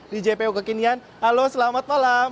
di jpo kekinian halo selamat malam